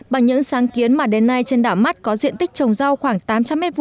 bằng những sáng kiến mà đến nay trên đảo mắt có diện tích trồng rau khoảng tám trăm linh m hai